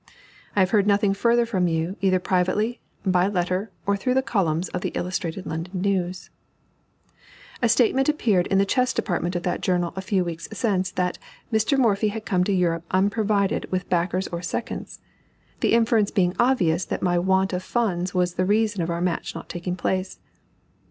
I have not heard further from you, either privately, by letter, or through the columns of the Illustrated London News. A statement appeared in the chess department of that journal a few weeks since, that "Mr. Morphy had come to Europe unprovided with backers or seconds," the inference being obvious that my want of funds was the reason of our match not taking place.